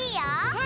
はい。